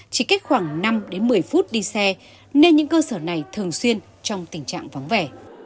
chỉ cách khoảng năm một mươi phút đi xe nên những cơ sở này thường xuyên trong tình trạng vắng vẻ